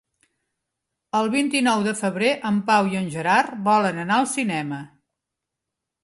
El vint-i-nou de febrer en Pau i en Gerard volen anar al cinema.